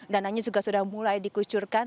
dananya juga sudah mulai dikucurkan